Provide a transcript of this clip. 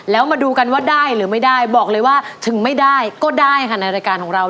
แล้วมาดูกันว่าได้หรือไม่ได้บอกเลยว่าถึงไม่ได้ก็ได้ค่ะในรายการของเรา